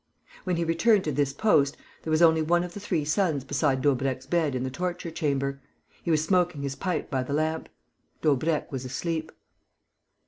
When he returned to this post, there was only one of the three sons beside Daubrecq's bed in the torture chamber. He was smoking his pipe by the lamp. Daubrecq was asleep.